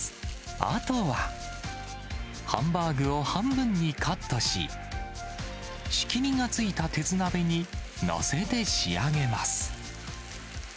あとはハンバーグを半分にカットし、仕切りがついた鉄鍋に載せて仕上げます。